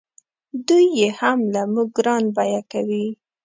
دوی یې هم لکه زموږ ګران بیه کوي.